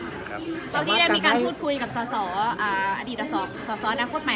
ความหวังว่าบ้านหลังใหม่จะให้ในสิ่งที่เขาอยากจะได้